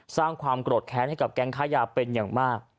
สร้างความโกรธแค้นให้กับแก๊งค้ายาเป็นอย่างมาก